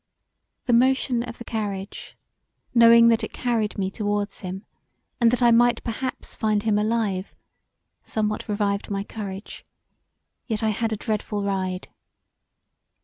The motion of the carriage knowing that it carried me towards him and that I might perhaps find him alive somewhat revived my courage: yet I had a dreadful ride.